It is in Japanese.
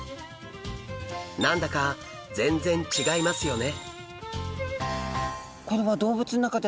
何だか全然違いますよね。